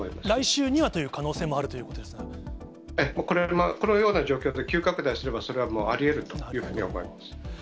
来週にはという可能性もあるこのような状況で急拡大すれば、それはもうありえるというふうに思います。